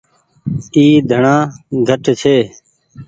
اي ڌڻآ گھٽ ڇي۔